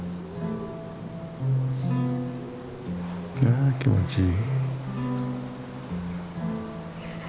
あ気持ちいい。